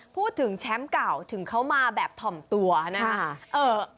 พูดถึงแชมป์เก่าถึงเขามาแบบถ่อมตัวนะครับ